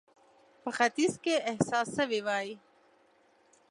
په ختیځ کې احساس سوې وای.